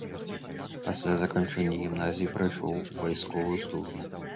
Пасля заканчэння гімназіі прайшоў вайсковую службу.